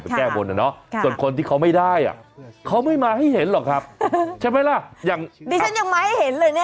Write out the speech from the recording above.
เป็นแก้วบนส่วนคนที่เขาไม่ได้เขาไม่มาให้เห็นหรอกครับใช่ไหมล่ะ